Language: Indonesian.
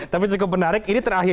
tapi cukup menarik